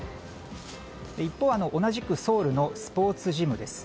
一方、同じくソウルのスポーツジムです。